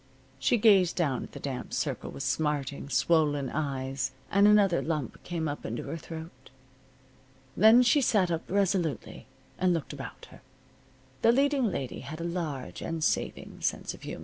She gazed down at the damp circle with smarting, swollen eyes, and another lump came up into her throat. Then she sat up resolutely, and looked about her. The leading lady had a large and saving sense of humor.